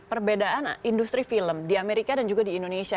perbedaan industri film di amerika dan juga di indonesia